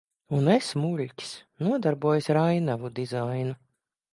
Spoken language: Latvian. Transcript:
Un es, muļķis, nodarbojos ar ainavu dizainu.